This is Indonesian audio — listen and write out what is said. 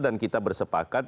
dan kita bersepakat